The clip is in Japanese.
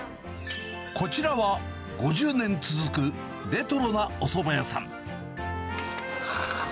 こちらは、５０年続くレトロなおそば屋さん。